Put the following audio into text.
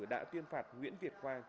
đã tuyên phạt nguyễn việt khoa